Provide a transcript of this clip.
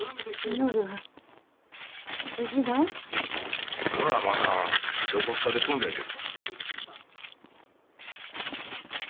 稔はまだ横須賀で訓練じゃ。